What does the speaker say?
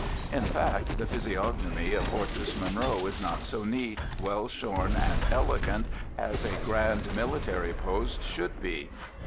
In fact, the physiognomy of Fortress Monroe is not so neat, well shorn, and elegant as a grand military post should be.